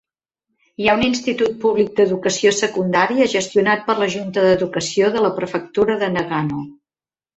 Hi ha un institut públic d'educació secundària gestionat per la junta d'educació de la prefectura de Nagano.